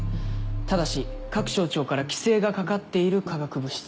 ただし各省庁から規制がかかっている化学物質。